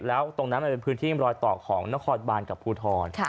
แล้วตรงนั้นมันเป็นพื้นที่รอยต่อของนครบานกับภูทร